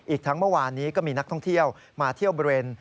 อีกทั้งเมื่อวานนี้ก็มีนักท่องเที่ยวมาเที่ยวบริเวณ